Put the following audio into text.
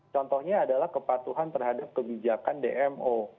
contohnya adalah kepatuhan terhadap kebijakan dmo